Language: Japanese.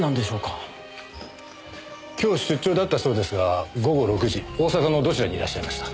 今日出張だったそうですが午後６時大阪のどちらにいらっしゃいました？